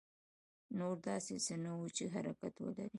نور داسې څه نه وو چې حرکت ولري.